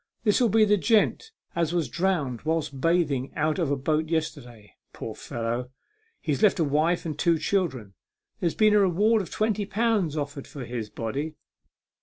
This'll be the gent as was drowned whilst bathing out of a boat yesterday. Poor fellow ! he's left a wife and two children. There's been a reward of twenty pounds offered for his body.